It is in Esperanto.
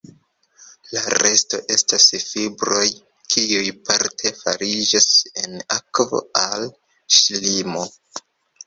La resto estas fibroj, kiuj parte fariĝas en akvo al ŝlimo.